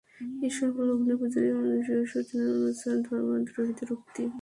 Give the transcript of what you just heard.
এসব হলো অগ্নিপূজারী মজুসী ও শয়তানের অনুচর ধর্মদ্রোহীদের উক্তি।